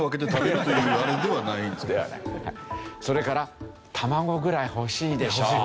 それから卵ぐらい欲しいでしょ。